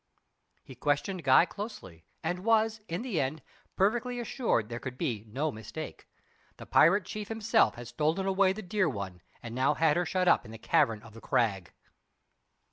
He questioned Guy closely, and was, in the end, perfectly assured there could be no mistake. The pirate chief himself had stolen away the dear one, and now had her shut up in the cavern of the Crag.